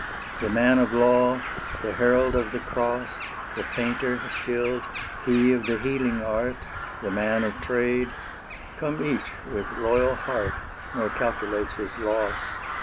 The man of law the herald of the cross The painter, skilled he of the healing art The man of trade come each with loyal heart, Nor calculates his loss.